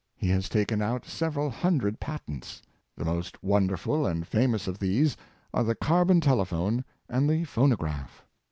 He has taken out several hundred patents. The most wonderful and famous of these are the carbon telephone and the phon ograph.